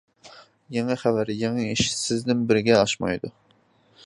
يېڭى خەۋەر، يېڭى ئىش، سىزدىن بىزگە ئاشمايدۇ!